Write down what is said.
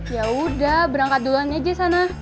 yaudah berangkat duluan aja sana